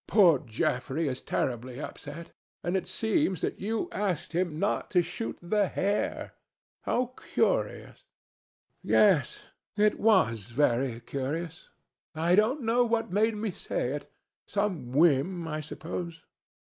"Poor Geoffrey is terribly upset. And it seems that you asked him not to shoot the hare. How curious!" "Yes, it was very curious. I don't know what made me say it. Some whim, I suppose.